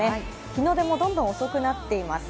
日の出もどんどん遅くなってます。